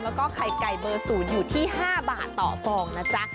และก็ไก่เบอร์สูตรอยู่ที่๕บาทต่อเปล่านะจ๊ะ